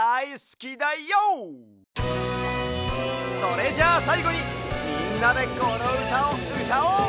それじゃさいごにみんなでこのうたをうたおう！